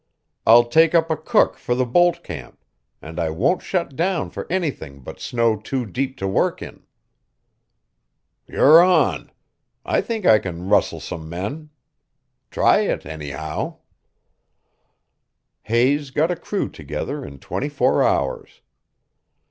I'll take up a cook for the bolt camp. And I won't shut down for anything but snow too deep to work in." "You're on. I think I can rustle some men. Try it, anyhow." Hayes got a crew together in twenty four hours.